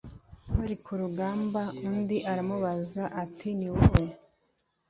barikurugamba Undi aramubaza ati ni wowe